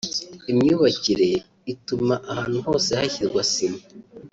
Imyubakire ituma ahantu hose hashyirwa isima